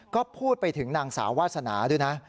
ก็พูดไปถึงนางสาววาสนาด้วยนะ